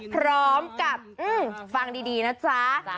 พร้อมกับฟังดีนะจ๊ะ